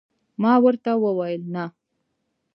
ما ورته وویل: نه.